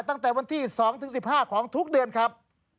ตั้งแต่วันที่๒๑๕ของทุกเดือนครับ